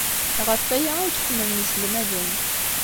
Ɣef waya ay k-ḥemmlen yiselmaden.